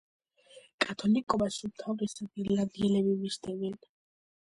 კათოლიკობას უმთავრესად ირლანდიელები მისდევენ.